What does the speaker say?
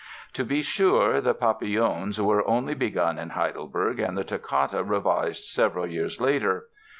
To be sure, the "Papillons" were only begun in Heidelberg and the Toccata revised several years later.